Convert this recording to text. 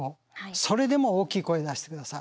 それでも大きい声出してください。